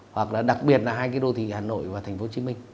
hoặc là đặc biệt là hai cái đô thị hà nội và thành phố hồ chí minh